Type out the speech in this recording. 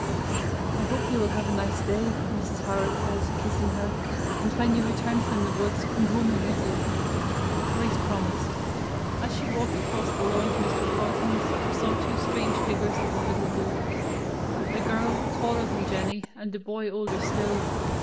'T hope you will have a nice day," Mrs. Howard said, kissing her. "And when you return from the woods, come home immediately." Grace promised. As she walked across the lawn to Mr. Carlton's, she saw two strange figures in the little group — a girl, taller than Jennie, and a boy older still.